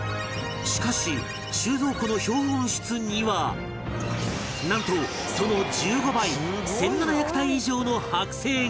しかし収蔵庫の標本室にはなんとその１５倍１７００体以上の剥製が